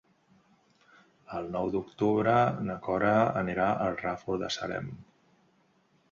El nou d'octubre na Cora anirà al Ràfol de Salem.